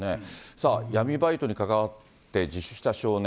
さあ、闇バイトに関わって自首した少年。